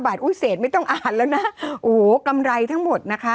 บาทอุ้ยเศษไม่ต้องอ่านแล้วนะโอ้โหกำไรทั้งหมดนะคะ